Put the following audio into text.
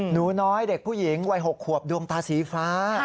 หนูน้อยเด็กผู้หญิงวัย๖ขวบดวงตาสีฟ้า